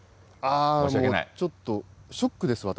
ちょっと、ショックです、私。